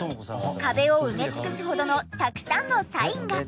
壁を埋め尽くすほどのたくさんのサインが！